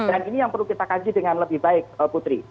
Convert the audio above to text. dan ini yang perlu kita kaji dengan lebih baik putri